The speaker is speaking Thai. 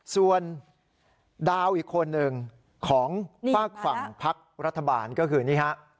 ส่วนดาวอีกคนหนึ่งของฝากฝั่งพักรัฐบาลก็คือนี่ฮะ